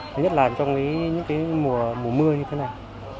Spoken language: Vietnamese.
thứ nhất là trong những mùa mùa mưa như thế này